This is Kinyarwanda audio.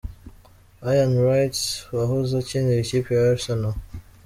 Ian Wright wahoze akinira ikipe ya Arsenal.